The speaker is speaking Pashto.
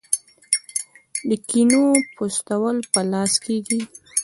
د کینو پوستول په لاس کیږي.